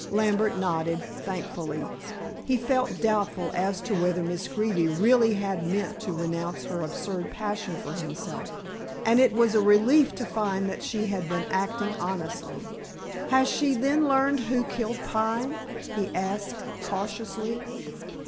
Lambert nodded thankfully. He felt doubtful as to whether Miss Greeby really had meant to renounce her absurd passion for himself, and it was a relief to find that she had been acting honestly. "Has she then learned who killed Pine?" he asked cautiously.